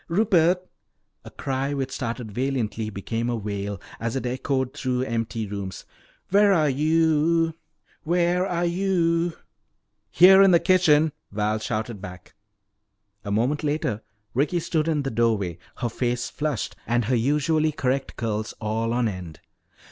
Rupert!" A cry which started valiantly became a wail as it echoed through empty rooms. "Where are yo o ou!" "Here, in the kitchen," Val shouted back. A moment later Ricky stood in the doorway, her face flushed and her usually correct curls all on end.